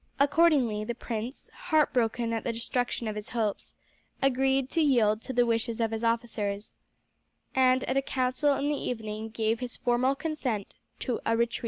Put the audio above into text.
Accordingly the prince, heartbroken at the destruction of his hopes, agreed to yield to the wishes of his officers, and at a council in the evening gave his formal consent to a retreat.